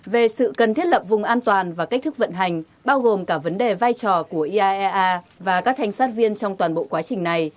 về sự cần thiết lập vùng an toàn và cách thức vận hành bao gồm cả vấn đề vai trò của iaea và các thanh sát viên trong toàn bộ quá trình này